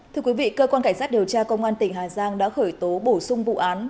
thưa quý vị cơ quan cảnh sát điều tra công an tỉnh hà giang đã khởi tố bổ sung vụ án